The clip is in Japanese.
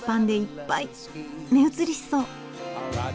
目移りしそう。